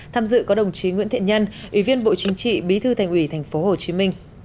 tham dự có đồng chí nguyễn thiện nhân ủy viên bộ chính trị bí thư thành ủy tp hcm